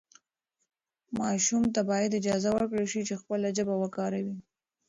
ماشوم ته باید اجازه ورکړل شي چې خپله ژبه وکاروي.